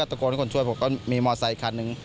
ก็ตะโกนให้คนช่วยบอกก็มีมอสไซค์อีกครั้งหนึ่ง